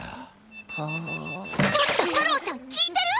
きいてる！？